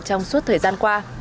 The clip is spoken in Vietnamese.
trong suốt thời gian qua